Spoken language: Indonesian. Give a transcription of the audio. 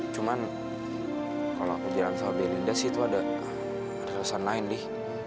cuma kalau aku jalan sama belinda sih itu ada urusan lain dih